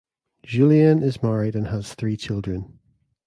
Julien is married and has three children.